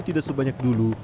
tidak sebanyak dulu